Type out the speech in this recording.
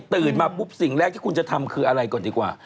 ตื่นมาปุ๊บสิ่งแรกที่คุณจะทำคืออะไรก่อนดีกว่า